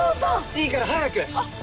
⁉いいから早く！